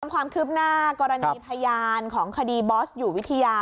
ความคืบหน้ากรณีพยานของคดีบอสอยู่วิทยา